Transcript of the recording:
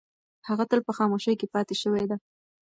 هغه تل په خاموشۍ کې پاتې شوې ده.